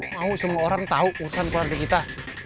mau semua orang tahu urusan keluarga kita